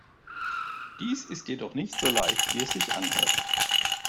Dies ist jedoch nicht so leicht, wie es sich anhört.